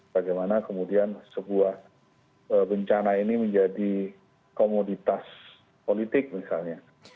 bagaimana kemudian sebuah bencana ini menjadi komoditas politik misalnya